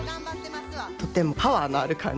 とてもパワーのある感じ。